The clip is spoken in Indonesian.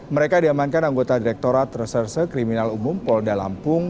mereka diamankan anggota direkturat reserse kriminal umum polda lampung